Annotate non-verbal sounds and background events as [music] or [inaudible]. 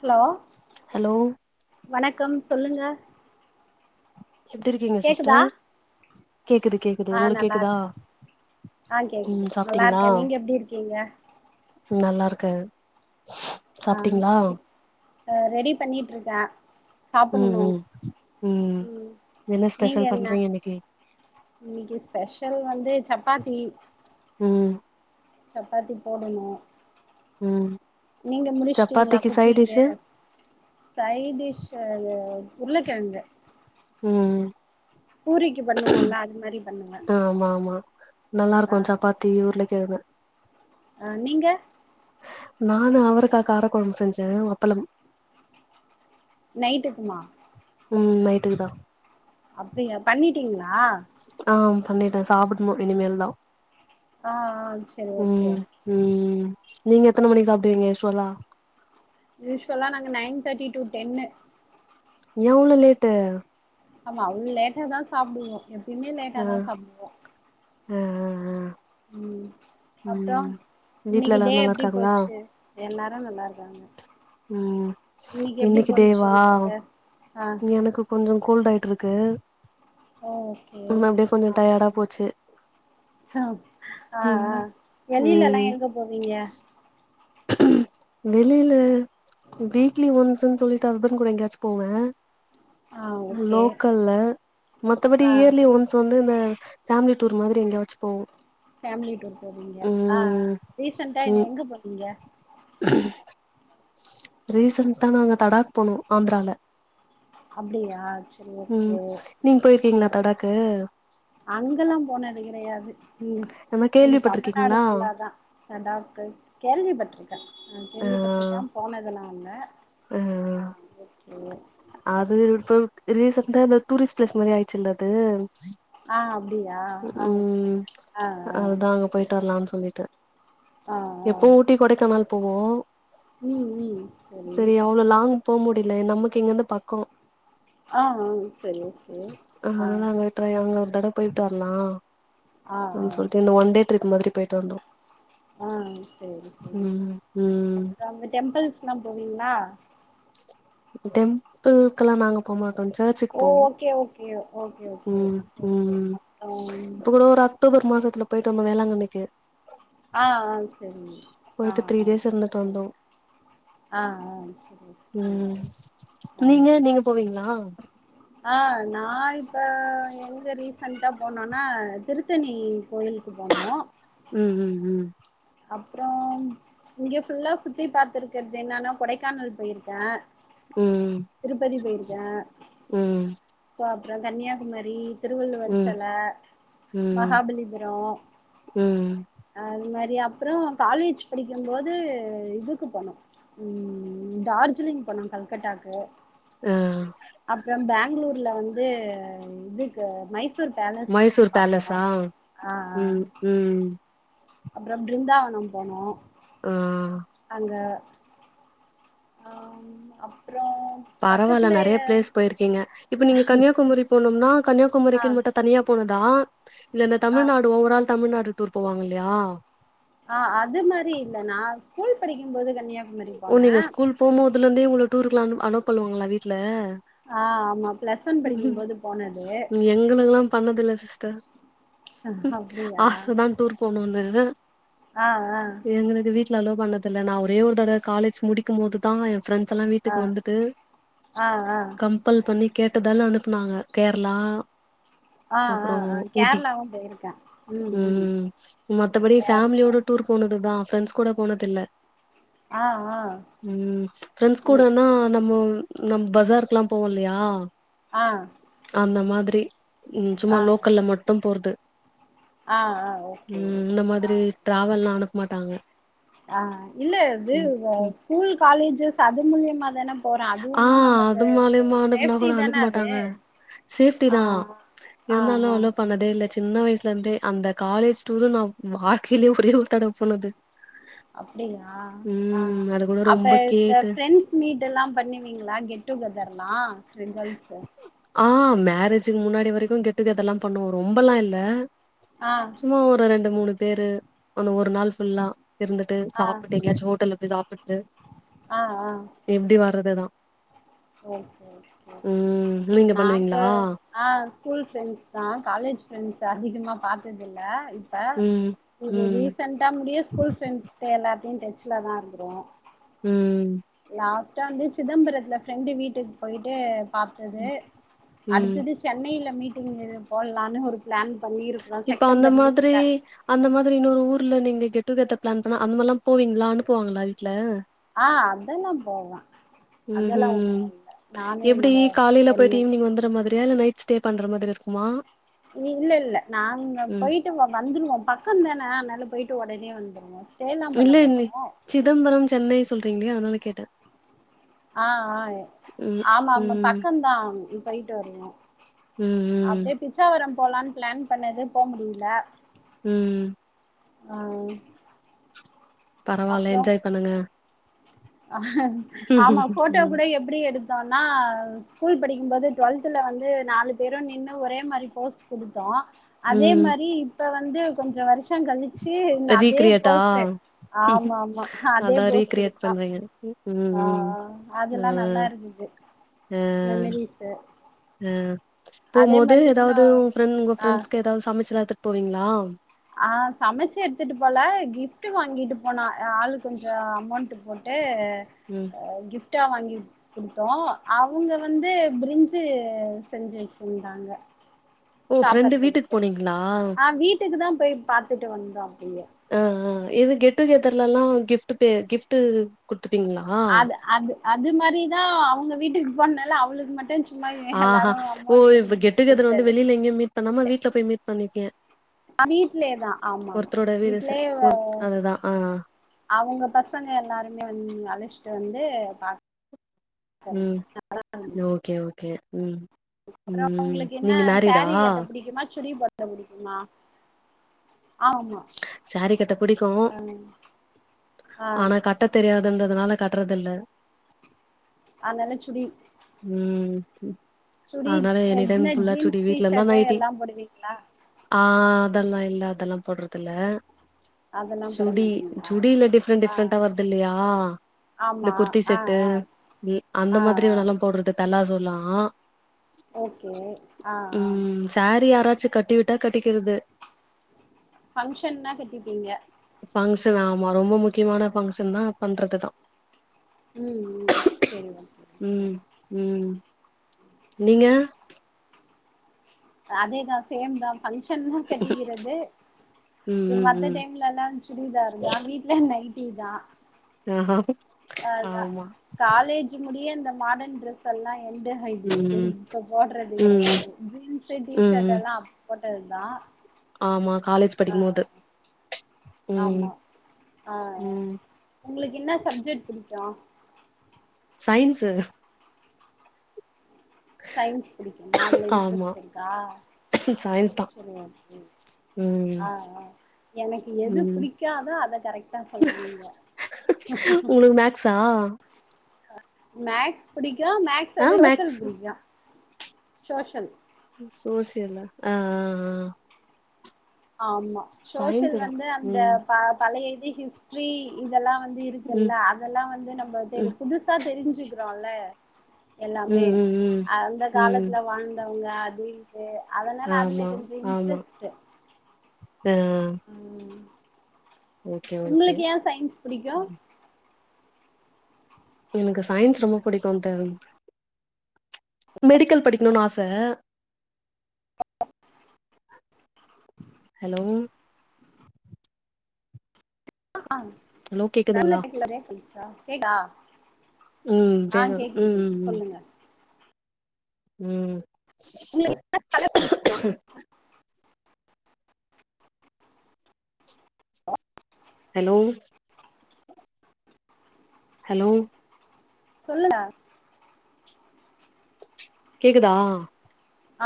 Hello hello வணக்கம் சொல்லுங்க எப்டி இருக்கீங்க கேக்குதா சிஸ்டர் கேக்குது கேக்குது ஆ உங்களுக் நல்லா கேக்குதா இருக்கே ஆ கேக்குது ம் சாப்ட்டீங்களா நல்லாருக்க‌ நீங்க எப்டி இருக்கீங்க நல்லாருக்க ஆ அ ரெடி பண்ணிட்ருக்க ம் சாப்புட்ணு ம் ம் என்ன நீங்க ஸ்பெஷல் என்ன பண்றீங்க இன்னைக்கு இன்னிக்கு ஸ்பெஷல் வந்து சப்பாத்தி ம் சப்பாத்தி போடணு ம் நீங்க முடிச்ட்டீங்களா சப்பாத்திக்கு சைட் குக்கிங்கு டிஷ்ஷு சைடீஷு உருளக்கெழங்கு ம் பூரிக்கு பண்ணுவோல்ல அது மாரி பண்ணுவே ஆமாமா ஆ நல்லாருக்கு சப்பா தி உருள கெழங்கு ஆ நீங்க நானு அவரக்கா காரக்கொழம்பு செஞ்ச அப்பளம் நைட்டுக்குமா ம் நைட்டுக்குதா அப்டியா பண்ணிட்டீங்ளா ஆ பண்ணிட்ட சாப்புடுணு இனிமேல்தா ஆ ஆ செரி ஓகே ஒ ம் நீங்க எத்தன மணிக்கு சாப்டுவீங்க யூஷ்வலா யூஷ்வலா நாங்க நைன் தாட்டி ட்டூ டென்னு ஏன் அவுளோ லேட்டு ஆமா அவுள் லேட்டாதா சாப்டுவோ எப்பய்மே லேட்டாதா சாப்டுவோ அ அ அ ம் அப்றோ வீட்ல இன்னிக்கு டே எல்லாரு நல்லா எப்டி இருக்காங்களா போச்சு எல்லாரு நல்லா இருக்காங்க ம் இன்னைக்கு எப்டி போன்ச்சு உங்ளுக்கு ஆ எனக்கு கொஞ்சோ கோல்டாய்ட்டிருக்கு ஓகே ம் அப்டியே கொஞ்சோ டயடா போச்சு ச்சோ ஆ ஆ ம் வெளிலலா ம் எங்க போவீங்க வெளில வீக்லி ஒன்ஸுன் சொல்லி ஹஸ்பண் கூட எங்யாச்சு போவ ஆ ஓகே லோக்கல்ல மத்தபடி ஆ இயர்லி ஒன் ஸ் வந்து இந்த ஃபேமிலி டூர் மாதிரி எங்க்யாச்சு போவோ ஃபேமிலி டூர் போவீங்க ஆ அ ம் ரீசன்ட்டா ம் எங்க போனிங்க ரீசன்ட்டா நாங்க தடாக் போனோ ஆந்த்ரால அப்டியா செரி ஓகே நீங் போய்ர்க்கீங்ளா தடாக்கு அங்கல்லா போனது கெடையாது ம் நம்ம இங்க தமிழ்நாடு கேள்விப்பட்டிருக்கீங்களா ஃபுல்லாதா லடாக்கு கேள்விப்பட்ருக்க நா ஆ கேள்விப்பட்ருக்க போனதுலா இல்ல ஆ ஆனா வந்து கே அது இப்போ ரீசண்ட்டா இந்த டூரிஸ்ட் பிளேஸ் மாரி ஆய்ட்ச்சுல்ல அது ஆ அப்டியா ஆ ஓகே ம் ஆ ஆ அதா அங்க போய்ட்டு வர்லான் சொல்லிட்டு ஆ ஆ எப்பவு ஊட்டி கொடைக்கானல் போவோ ம் ம் சரி செரி அவ்ளோ லாங் போ முடில நமக்கு இங்கர்ந்து பக்கோ ஆ ஆ செரி ஓகே ஆ அப்புறோ எ அங்க ஒரு தடவ போய்ட்டு வர்லா ஆ ஆ அப்புன் சொல்ட்டு இந்த ஒன் டே ட்ரிப் மாதிரி போய்ட்டு வந்தோ ஆ சேரி சேரி ம் ம் அப்றம் இந்த டெம்பிள்ஸ்லா போவீங்ளா டெம்பிள்க்குலா நாங்க போமா நாங் சர்ச்சுக்கு ஓ போவோ ஓகே ஓகே ஓகே ஓகே ம் சரி ம் அப்றோ இப்ப கூட ஒரு அ க்டோபர் மாசத்துல போய்ட்டு வந்தோ வேளாங்கண்ணிக்கு ஆ ஆ செரிங்க அ போயிட்டு த்ரீ அ டேஸ் இருந்துட்டு செரி வந்தோ ஆ அ செரி ம் ம் நீங்களா நீங்க போவீங்ளா ஆ நா இப்ப எங்க ரிசண்ட்டா போனோனா திருத்தணி கோயிலுக்கு போனோ ம் ம் ம் அப்றோ இங்க ஃபுல்லா சுத்தி பாத்திருக்கற்து என்னனா கொடைக்கானல் போயிருக்க ம் ம் கோ அப்றோ கன்னியாகுமரி திருவள்ளுவர் ம் செல ம் மகாபலிபுரோ ம் அது மாரி அப்புற காலேஜ் படிக்கும் போது இதுக்கு போனு ம் டார்ஜிலிங் போனோ கல்கட்டாக்கு அ அப்பற பேங்ளூர்ல வந்து இதுக்கு மைசூர் பேலஸ் மைசூர் பாத்தோ பேலஸா ஆ ம் ம் அப்பற பிருந்தாவன போனோ ஆ அ அம் அப்பறம் பரவால்ல நெறைய பிளேஸ் போயிருக்கீங்க இப்ப நீங்க கன்னியாகுமரி போனும்னா ஆ கன்னியாகுமரிக்கு மட்டு தனியா போனதா இல்ல இந்த ஆ தமிழ்நாடு ஓவரால் தமிழ்நாடு டூர் போவாங்க இல்லையா ஆ அது மாரி இல்ல நா ஸ்கூல் படிக்கும்போது கன்னியாகுமரி ஓ போனே நீங்க ஸ்கூல் போம் போதுல இருந்தே உங்கள டூருக்குல அனு அனோப்பன்னுவாங்களா வீட்ல ஆ ஆமா பிளஸ் ஒன் படிக்கும்போது போனது எங்களுக்கல்லா பண்ணதில்ல சிஸ் டர் அப்டியா ஆசதா டூர் போனுனு ஆ ஆ எங்களுக்கு வீட்ல அலோ பண்ணதில்ல நா ஒரே ஒரு தடவ காலேஜ் முடிக்கும் போது தா எ ஃபிரண்ட்ஸ் எல்லா ஆ வீட்டுக்கு வந்துட்டு ஆ ஆ கம் கம்பல் பண்ணி கேட்டதால்ல அனுப்புனாங்க கேரளா ஆ ஆ அப்புற ஆ ஊட்டி கேரளாவு போயிருக்கே ம் மத்தபடி கேரளா ஃபேமிலியோட டூர் போனதுதா ஃப்ரெண்ட்ஸ் கூட போனதுல்ல ஆ ஆ ம் ஃப்ரெண்ட்ஸ் கூடனா நம்ம நம் பசாருக்குல்லா போவோ இல்லையா ஆ அந்த மாதிரி ம் ஆ சும்மா லோக்கல்ல மட்டும் போறது ஆ ஆ ஓகே ம் இந்த ஆ மாதிரி ட்ராவல்லா அனுப்ப மாட்டாங்க ஆ இல்ல இது ம் ம் ஸ்கூல் காலேஜஸ் அது மூலியமாதான போற அது ஆ ஒண்ணு நமக்கு அது மூலியமா அனுப்புனா சேஃப்டி கூட தான அனுப்ப அது மாட்டாங்க சேஃப்டி ஆ தா ஆ இருந்தாலு ஆ அலோ பண்ணதே இல்ல சின்ன வயசுல இருந்தே அந்த காலேஜ் டூரு நா வாழ்க்கையிலயே ஒரே ஒரு தடவ போனது அப்டியா ஆ ம் அது கூட அப்ப ரொம்ப இந்த கேட்டு ஃப்ரெண்ட்ஸ் மீட் எல்லா பண்ணுவீங்களா கெட் டுகெதர்லா சிங்கல்ஸ்ஸு ஆ மேரேஜுக்கு முன்னாடி வரைக்கு கெட் டு கெதர்லா பண்ணுவோ ரொம்பெல்லா இல்ல ஆ சும்மா ஒரு ரெண்டு மூணு பேரு அந்த ஒரு நாள் ஃபுல்லா இருந்துட்டு ஆ சாப்பிட்டு எங்காச்சு ஹோட்டல்ல போய் சாப்பிட்டு டு ஆ ஆ எப்படி வர்றதுதா ஓகே ஓகே ம் நீங்க நாங்க பண்ணுவீங்களா ஆ ஸ்கூல் ஃப்ரெண்ட்ஸ் தா காலேஜ் ஃப்ரெண்ட்ஸ் அதிகமாக பாத்ததில்ல இப் ப ம் ம் ரீசெண்டா முடிய ஸ்கூல் ஃபிரெண்ட்ஸ் எல்லாத்தையும் டச்ல தான் இருக்கிறோ ம் லாஸ்ட்டா வந்து சிதம்பரத்துல ஃப்ரெண்டு வீட்டுக்கு போயிட்டு பாத்தது ம் ம். அடுத்தது சென்னையில மீட்டிங் இது போடலான்னு ஒரு பிளான் பண்ணிருக்கிறோ இப்ப அந்த செப்டம்பர் லீவ் மாதிரி ல அந்த மாதிரி இன்னொ ஊர்ல நீங்க கெட்டு கெதர் பிளான் பண்ணா அந்த மாரி எல்லா போவீங்களா அனுப்புவாங்களா வீட்ல ஆ அதெல்லாம் போவோ ம் ம் எப்டி என்னோட காலையில போயிட்டு பொண்ணு ஈவ்னிங் வந்துற மாதிரியா இல்ல நைட் ஸ்டே பண்ற மாதிரி இருக்குமா இல்ல இல்ல நாங்க ம் போய்ட் வந்துருவோ வந்துருவோம் பக்கம் தான அனால்ல போயிட்டு ஒடனே வந்துருவோம் இல்ல இல் சிதம்பரம் சென்னை சொல்றீங்களே அதனால கேட்ட ஆ ஆ ஆமா ஆமா ம் பக்கம்தான் போயிட்டு வருவோம் ம் ம் பிச்சாவரம் போலான் பிளான் பண்ணது போ முடியில ம் அ பரவால்ல என்ஜாய் பண்ணுங்க ஆமா ஃபோட்டோ ம் கூட எப்டி எடுத்தோன்னா ஸ்கூல் படிக்கும் போது டுவெல்த்ல வந்து நாலு பேரும் நின்னு ஒரே மாரி போஸ் குடுத்தோ அதே ம் மாரி இப்ப வந்து கொஞ்சோ வருஷம் கழி ச்சி அதே ரீக்ரியேட்டா? போஸ்சு ஆமா ஆமா அதே போஸ் குடுத்தோ எனக்கு ம் அ அ ஆ அதுல்லா நல்லா இருக்குது மெமரிஸு ம் அதே போம்மோது மாரி இன்னு எதாவ்து உங் ஃப்ரெண்ட் உங்க ஆ ஃப்ரெண்ட்ஸ்க்கு எதாவ்து சமச்சிலா எடுத்துட் போவீங்ளா ஆ சமச்சு எடுத்துட்டு போல கிஃப்ட் வாங்கிட்டு போனோ ஆளுக்கு கொஞ்சோ அமவுண்ட்டு போட் ட்டு ம் அ கிஃப்டா வாங்கி குடுத்தோ அவுங்க வந்து பிரிஞ்சு செஞ்சு வச்சிருந்தாங்க ஓ ஃப்ரெண்டு வீட்டுக்கு சாப்பிட்றதுக்கு போனீங்களா? அ வீட்டுக்கு தா போய் பாத்துட்டு வந்தோ அப்டியே அ அ இது கெட் டு கெதர்லல்லா கிஃப்ட்டு பே கிஃப்ட்டு குட்த்துப்பீங்ளா அது அது அது மாரிதா அவுங்க வீட்டுக்கு போனனால அவளுக்கு மட்டு சிக் ஆ ஆ ஓ இது கெட் டூ கெதர் வந்து குடுத்தது வெளில எங்கேயும் மீட் பண்ணாம வீட்ல போய் மீட் பண்ணிருக்கீங்க சமீ வீட்லயே தா ஆமா ஆமா ஒருத்தரோட வீடு ச வீட்லேயே ஒரு அதுதான். ஆ. அவங்க பசங்க எல்லாருமே அழிச்சிட்டு வந்து பா ம் ஓகே ஓகே ம் அப்றோ ம். உங்குளுக்கு என்ன நீங்க மேரிடா? சேரி கட்ட பிடிக்குமா சுடி போட புடிக்குமா ஆமா சாரி கட்ட புடிக்கும். ம் ஆனா கட்ட தெரியாதுன்றதுனால கட்றதுல்ல அன்னால சுடி ம் ம் சுடி அதனால எனி டைம் என்ன ஃபுல்லாச்சுடி ஜீன்ஸ் வீட்ல இருந்தா டிஷர்ட்டு நைட்டி எல்லா போடுவீங்களா ஆ அதெல்லா இல்ல அதல்லா போட்றதுல அதெல்லா போட சுடி மாட்டீங்களா சுடி இல்லாட்டி ஆ டிஃப்ரண்ட்டா வருது இல்லயா இந்த ஆமா குர்தி ஆ செட்டு ஆ அது அந்த ஆ மாதிரி ஆ நல்லா போட்றது பெலாசோ லா ஓகே ஆ ஆ சேரி யாராச்சு கட்டிவிட்டா கட்டிக்கிறது ஃபங்ஷன்னா கட்டிப்பீங்க ஃபங்ஷன் ஆமா ரொம்ப முக்கியமான ஃபங்ஷன்னா பண்றது தா ம் ம் சேரி ஓகே ஓகே ம் ம் நீங்க அதேதா சேம்தா ஃபங்க்ஷன்னா கட்டிகிறது ம் இ ம் மத்த ம் டைம்லலா சுடிதார்தா வீட்ல நைட்டிதா ஆ ஹா அதா காலேஜ் முடிய இந்த மாடன் ட்ரெஸெல்லா எண்டு ஹைடுச்சு ம் இப்ப போட்றது ம் கெடையாது ஜீன்ஸு ம் ம் டீஷர்டெல்லா போட்டதுதா ஆமா காலேஜ் ஆ படிக்கு மோது ஆமா ஆ ஆ உங்ளுக்கு இன்ன சப்ஜெக்ட் புடிக்கு சைன்ஸு சைன்ஸ் புடிக்குமா அதுல ஆமா இன்ட்ரெஸ்ட் இருக்கா சயின்ஸ் தா செரி ஓகே ம் ஆ ஆ எனக்கு எது ம் புடிக்காதோ அத கரெக்டா சொல்றீங்க சா மேக்ஸ் புடிக்கு மேக்ஸ ஆ விட மேக்ஸ் சோஷியல் புடிக்கு சோஷல் ம் சோஷியல்லா ஆ ஆ ஆ ஆமா சோஷியல் சயின்ஸு தா வந்து அந்த ம் பா பழைய இது ஹிஸ்ட்ரி இதெல்லா வந்து ம் இருக்குல்ல அதெல்லா வந்து நம்ம தெரி ம் புதுசா தெரிஞ்சுக் குறோல எல்லாமே ம் ம் ம் அந்த ம் காலத்துல வாழ்ந்தவ்ங்க அப்டி கே அதனால அதுல ஆமா கொஞ்ச ஆமா இன்ட்ரெஸ்ட்டு ஆ ம் ஓகே ஓகே உங்களுக்கு ஏ சைன்ஸ் புடிக்கு எனக்கு சைன்ஸ் ரொம்ப புடிக்கு இந்த மெடிக்கல் படிக்கணுனு ஆச ஹலோ ஆ ஹலோ [inaudible] கேக்குதுங்களா கேக்குதா ம் ஆ கேக்குது ம் கேக்குது ம் சொல்லுங்க ம் உங்களுக்கு ஹலோ ஹலோ சொல்லுங்க கேக்குதா ஆ